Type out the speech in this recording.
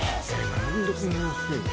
何でこんな安いの？